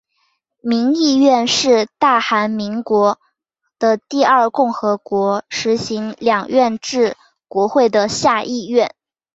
民议院是大韩民国的第二共和国实行两院制国会的下议院。